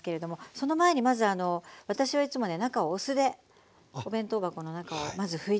その前にまず私はいつもね中をお酢でお弁当箱の中をまず拭いて。